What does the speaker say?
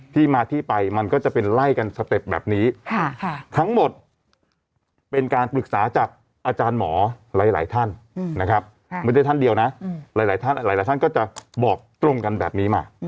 ที่มาที่ไปมันก็จะเป็นไล่กันสเต็ปแบบนี้ทั้งหมดเป็นการปรึกษาจากอาจารย์หมอหลายท่านนะครับไม่ได้ท่านเดียวนะหลายท่านหลายท่านก็จะบอกตรงกันแบบนี้มา